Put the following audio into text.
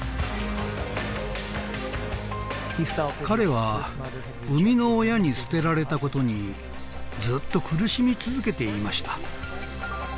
彼は生みの親に捨てられた事にずっと苦しみ続けていました。